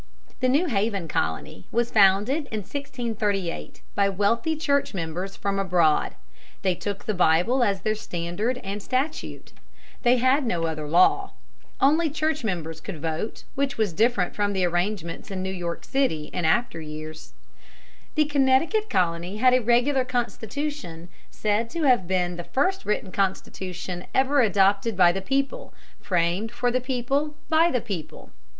The New Haven Colony was founded in 1638 by wealthy church members from abroad. They took the Bible as their standard and statute. They had no other law. Only church members could vote, which was different from the arrangements in New York City in after years. [Illustration: GOVERNOR ANDROS.] The Connecticut Colony had a regular constitution, said to have been the first written constitution ever adopted by the people, framed for the people by the people.